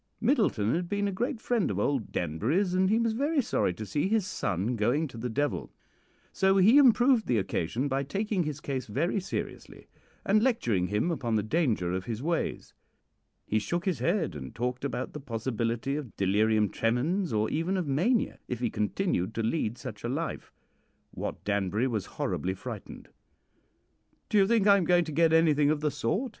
"Middleton had been a great friend of old Danbury's, and he was very sorry to see his son going to the devil; so he improved the occasion by taking his case very seriously, and lecturing him upon the danger of his ways. He shook his head and talked about the possibility of delirium tremens, or even of mania, if he continued to lead such a life. Wat Danbury was horribly frightened. "'Do you think I am going to get anything of the sort?'